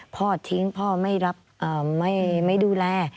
พ่อทิ้งพ่อไม่รับไม่ดูแล